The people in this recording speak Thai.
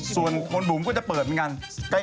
ส่วนคนบุ๋มก็จะเปิดเหมือนกัน